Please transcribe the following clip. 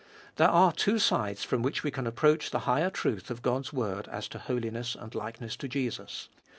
There are two sides from which we can approach the higher truth of God's word as to holiness and likeness to Jesus.